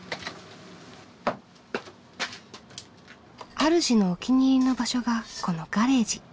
あるじのお気に入りの場所がこのガレージ。